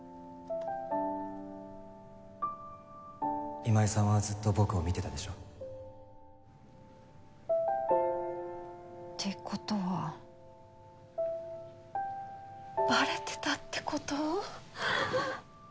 今井さんはずっと僕を見てたでしょ？って事はバレてたって事？